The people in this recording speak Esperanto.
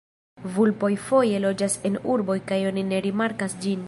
Vulpoj foje loĝas en urboj kaj oni ne rimarkas ĝin.